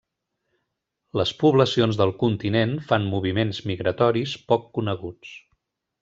Les poblacions del continent fan moviments migratoris poc coneguts.